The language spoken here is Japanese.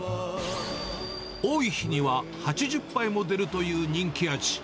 多い日には８０杯も出るという人気味。